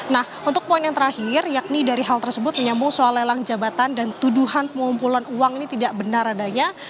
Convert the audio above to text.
nah untuk poin yang terakhir yakni dari hal tersebut menyambung soal lelang jabatan dan tuduhan pengumpulan uang ini tidak benar adanya